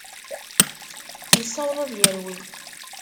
Yessaweḍ ad yerwel.